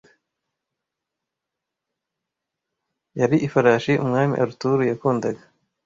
yari ifarashi Umwami Arthur yakundaga